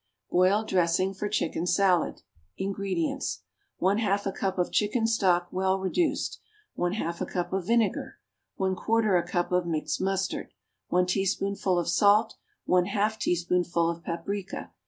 =Boiled Dressing for Chicken Salad.= INGREDIENTS. 1/2 a cup of chicken stock, well reduced. 1/2 a cup of vinegar. 1/4 a cup of mixed mustard. 1 teaspoonful of salt. 1/2 a teaspoonful of paprica.